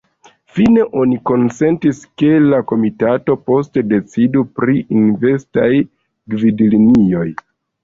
Fine oni konsentis, ke la komitato poste decidu pri investaj gvidlinioj.